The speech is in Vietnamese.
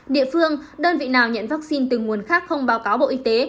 địa phương đơn vị nào nhận vaccine từ nguồn khác không báo cáo bộ y tế